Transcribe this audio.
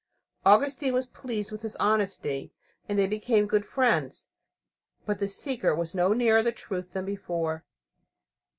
Augustine was pleased with his honesty, and they became good friends. But the seeker was no nearer the truth than before.